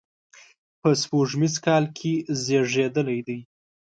په سپوږمیز کال کې زیږېدلی دی.